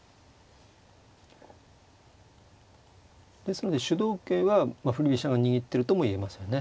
ですので主導権は振り飛車が握ってるとも言えますよね。